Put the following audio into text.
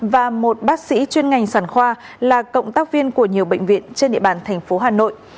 và một bác sĩ chuyên ngành sản khoa là cộng tác viên của nhiều bệnh viện trên địa bàn thành phố hà nội